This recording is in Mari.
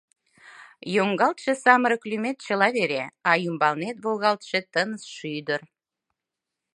Йоҥгалтше самырык лӱмет чыла вере, А ӱмбалнет волгалтше тыныс шӱдыр.